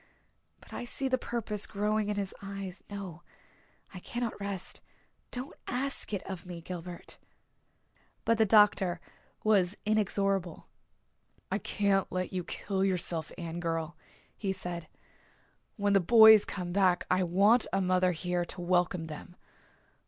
But I see the purpose growing in his eyes. No, I cannot rest don't ask it of me, Gilbert." But the doctor was inexorable. "I can't let you kill yourself, Anne girl," he said. "When the boys come back I want a mother here to welcome them.